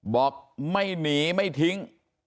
บอกไม่หนีไม่ทิ้ง